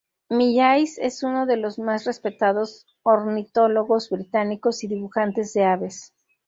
Millais es uno de los más respetados ornitólogos británicos y dibujantes de aves.